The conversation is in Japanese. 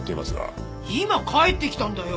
今帰ってきたんだよ。